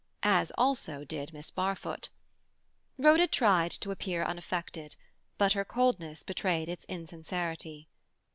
As also did Miss Barfoot. Rhoda tried to appear unaffected, but her coldness betrayed its insincerity.